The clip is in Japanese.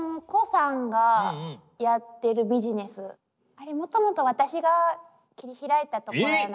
あれもともと私が切り開いたところやなって。